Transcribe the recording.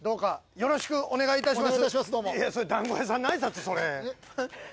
よろしくお願いします。